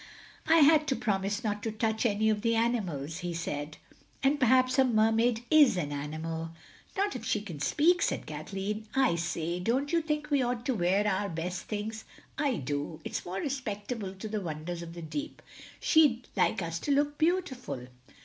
"I had to promise not to touch any of the animals," he said. "And perhaps a Mermaid is an animal." "Not if she can speak," said Kathleen. "I say, don't you think we ought to wear our best things—I do. It's more respectable to the wonders of the deep. She'd like us to look beautiful."